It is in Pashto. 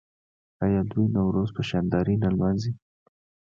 آیا دوی نوروز په شاندارۍ نه لمانځي؟